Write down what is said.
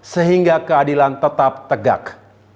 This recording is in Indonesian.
sehingga keadilan tetap tegak